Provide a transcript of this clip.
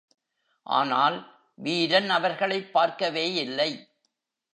ஆனால், வீரன் அவர்களைப் பார்க்கவே இல்லை.